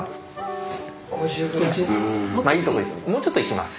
もうちょっといきます。